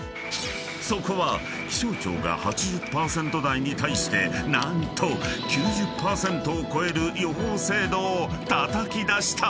［そこは気象庁が８０％台に対して何と９０％を超える予報精度をたたき出した］